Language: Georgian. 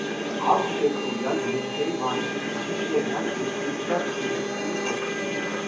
აქვთ შეკრული ან მეჩხერი ვარჯი, შიშველი ან ვერცხლისფრად შებუსული ფოთლები.